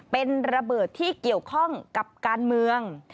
เป็นระเบิดที่เกี่ยวข้องกับการเมือง